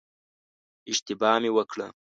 اشتباه مې وکړه.